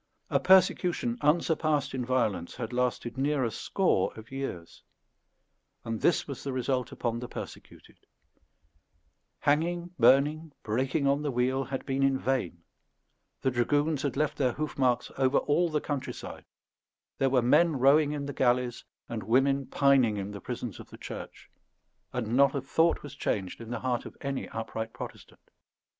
A persecution unsurpassed in violence had lasted near a score of years, and this was the result upon the persecuted; hanging, burning, breaking on the wheel, had been in vain; the dragoons had left their hoofmarks over all the countryside; there were men rowing in the galleys, and women pining in the prisons of the Church; and not a thought was changed in the heart of any upright Protestant.